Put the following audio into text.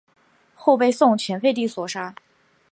后被宋前废帝所杀。